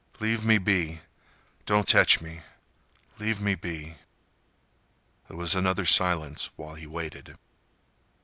"Leave me be—don't tech me—leave me be—" There was another silence while he waited.